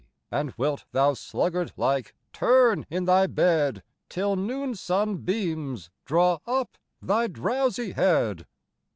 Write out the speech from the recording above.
And wilt thou sluggard like turn in thy bed, Till noon sun beams draw up thy drowsie head